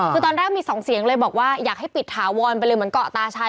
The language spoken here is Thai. คือตอนแรกมีสองเสียงเลยบอกว่าอยากให้ปิดถาวรไปเลยเหมือนเกาะตาชัย